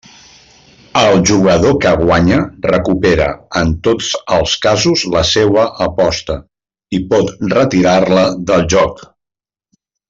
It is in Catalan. El jugador que guanya recupera, en tots els casos, la seua aposta i pot retirar-la del joc.